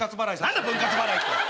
何だ分割払いって！